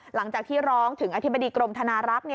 หลังจากที่ร้องถึงอธิบดีกรมธนารักษ์